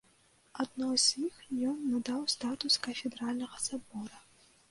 Адной з іх ён надаў статус кафедральнага сабора.